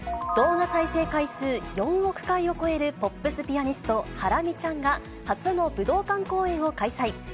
動画再生回数４億回を超えるポップスピアニスト、ハラミちゃんが、初の武道館公演を開催。